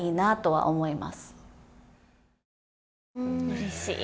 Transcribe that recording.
うれしい。